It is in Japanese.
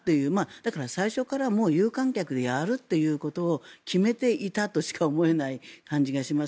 だから最初から有観客でやるということを決めていたとしか思えない感じがします。